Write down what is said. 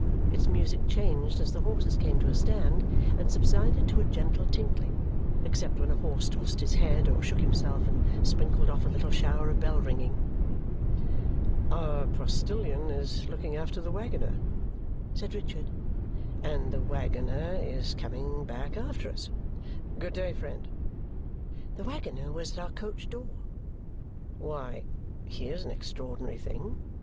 Its music changed as the horses came to a stand, and subsided to a gentle tinkling, except when a horse tossed his head or shook himself and sprinkled off a little shower of bell ringing. "Our postilion is looking after the waggoner," said Richard, "and the waggoner is coming back after us. Good day, friend!" The waggoner was at our coach door. "Why, here's an extraordinary thing!"